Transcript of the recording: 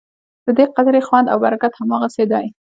ددې قطرې خوند او برکت هماغسې دی.